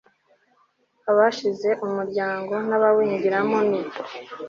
Abashize umuryango n abawinjiramo ni